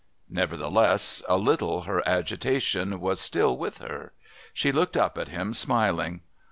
Nevertheless, a little, her agitation was still with her. She looked up at him, smiling.